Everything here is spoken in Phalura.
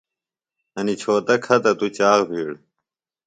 انیۡ چھوتہ کھہ تہ توۡ چاخ بِھیڑ